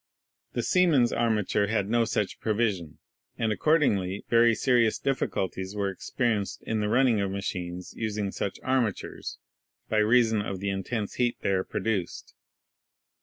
The Siemens armature had no such provision, and accordingly very serious difficulties were experienced in the running of machines using such armatures by reason of the intense heat there produced.